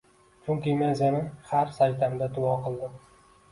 Chunki men seni har sajdamda duo qildim